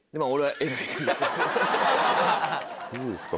どうですか？